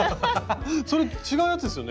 それ違うやつっすよね？